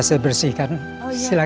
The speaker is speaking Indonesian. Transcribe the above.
kamu terus ikut ya